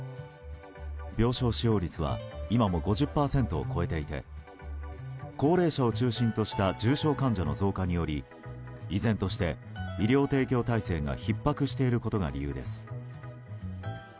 病床使用率は今も５０％を超えていて高齢者を中心とした重症患者の増加により依然として医療提供体制がひっ迫していることが理由です。